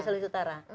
di sulawesi utara